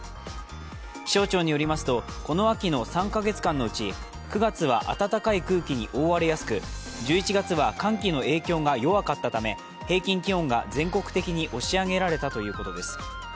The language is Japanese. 気象庁によりますと、この秋の３か月間のうち、９月は暖かい空気に覆われやすく１１月は寒気の影響が弱かったため平均気温が全国的に押し上げられたということです。